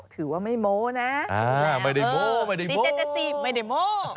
ถือว่าไม่โม้นะไม่ได้โม้๔๗๗๔ไม่ได้โม้